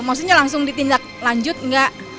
maksudnya langsung ditindak lanjut nggak